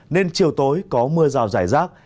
nên chiều tối có mưa rào rải ràng